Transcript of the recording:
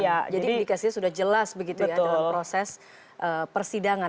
jadi indikasinya sudah jelas begitu ya dalam proses persidangan